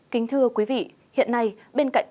kính thưa quý vị hiện nay bên cạnh